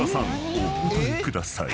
お答えください］